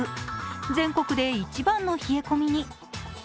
全国で一番の冷え込みに。